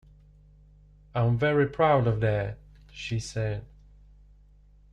"I'm very proud of that," she said.